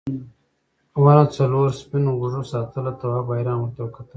ونه څلورو سپین غوږو ساتله تواب حیران ورته وکتل.